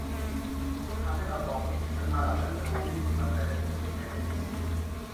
จะทำให้เรามองไม่เห็นเสื้อผ้าเหล่านั้น จนไม่ได้หยิบมาใส่ และถูกลืมไปในที่สุด